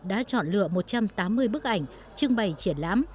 đã chọn lựa một trăm tám mươi bức ảnh trưng bày triển lãm